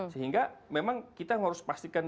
sehingga memang kita harus pastikan